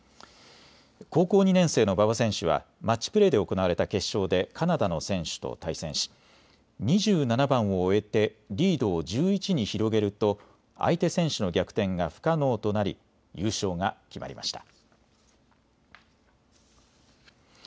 高校２年生の馬場選手はマッチプレーで行われた決勝でカナダの選手と対戦し２７番を終えてリードを１１に広げると相手選手の逆転が不可能となり優勝が決まりました。